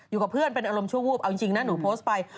อยู่กับเพื่อนเป็นอารมณ์ชั่ววูบเอาจริงนะหนูโพสต์ไป